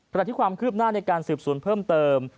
ที่ความคืบหน้าในการสืบสวนเพิ่มเติม